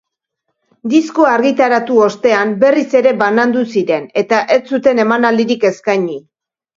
Diskoa argitaratu ostean berriz ere banandu ziren eta ez zuten emanaldirik eskaini.